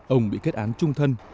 ông bị kết án trung thân